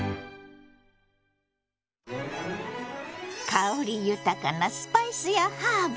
香り豊かなスパイスやハーブ。